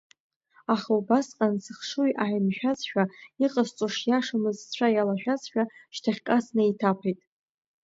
Аха убасҟан сыхшыҩ ааимшәазшәа, иҟасҵо шиашамыз сцәа иалашәазшәа шьҭахьҟа снеиҭаԥеит.